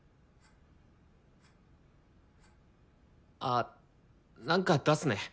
あなんか出すね。